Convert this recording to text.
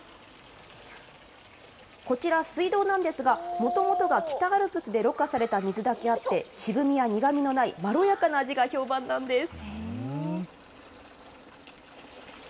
こちら、水道なんですが、もともとが北アルプスでろ過された水だけあって、渋みや苦みのないまろやかな味が評判なんです。